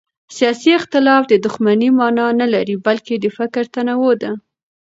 سیاسي اختلاف د دښمنۍ مانا نه لري بلکې د فکر تنوع ده